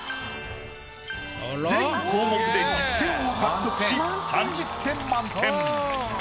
全項目で１０点を獲得し３０点満点。